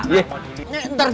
iya pak rete ya